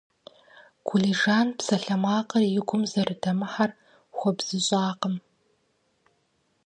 Гулижан псалъэмакъыр и гум зэрыдэмыхьэр хуэбзыщӀакъым.